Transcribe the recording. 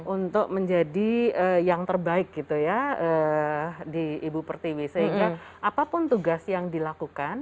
untuk menjadi yang terbaik gitu ya di ibu pertiwi sehingga apapun tugas yang dilakukan